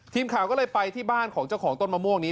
ทีมข่าวก็เลยไปที่บ้านของเจ้าของต้นมะม่วงนี้